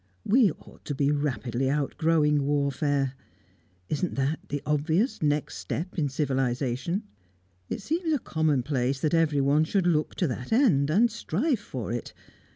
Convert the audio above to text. We ought to be rapidly outgrowing warfare; isn't that the obvious next step in civilisation? It seems a commonplace that everyone should look to that end, and strive for it.